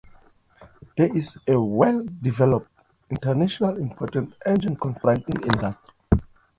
There is a well-developed, internationally important engine-constructing industry.